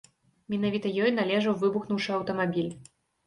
Менавіта ёй належаў выбухнуўшы аўтамабіль.